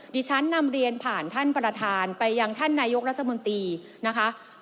นำเรียนผ่านท่านประธานไปยังท่านนายกรัฐมนตรีนะคะ